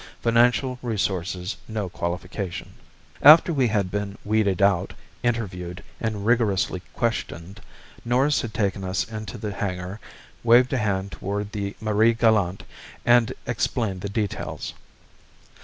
Financial resources no qualification._ After we had been weeded out, interviewed and rigorously questioned, Norris had taken us into the hangar, waved a hand toward the Marie Galante and explained the details.